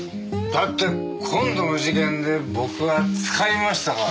だって今度の事件で僕はつかみましたから。